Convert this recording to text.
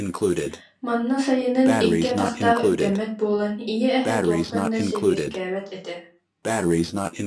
Манна сайынын икки атах- таах үктэммэт буолан ийэ эһэ туохтан да сибиэркээбэт этэ